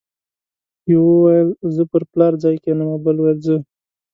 یو ویل زه پر پلار ځای کېنم او بل ویل زه.